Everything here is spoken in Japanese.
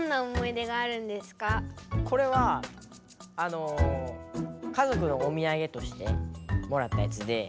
これはあの家族のおみやげとしてもらったやつで。